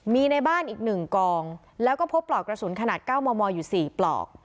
มีในบ้านอีกหนึ่งกล่องแล้วก็พบปลอกกระสุนขนาดเก้ามอมออยอยู่สี่ปลอก